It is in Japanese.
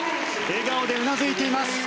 笑顔でうなずいています。